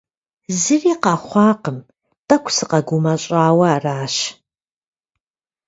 Зыри къэхъуакъым, тӏэкӏу сыкъэгумэщӏауэ аращ.